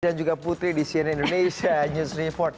dan juga putri di cnn indonesia news report